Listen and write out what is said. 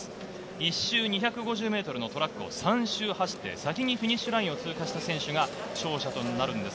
１周２５０ｍのトラックを３周を走って先にフィニッシュラインを通過した選手が勝者となります。